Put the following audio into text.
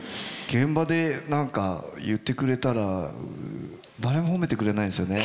現場で何か言ってくれたら誰も褒めてくれないんですよね